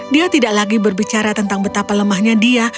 dia tidak lagi berbicara tentang betapa lemahnya dia